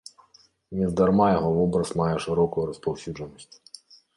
Нездарма яго вобраз мае шырокую распаўсюджанасць.